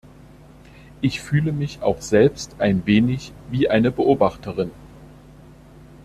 Ich fühle mich auch selbst ein wenig wie eine Beobachterin.